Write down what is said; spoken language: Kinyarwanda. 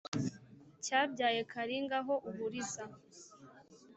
cyabyaye karinga ho uburiza,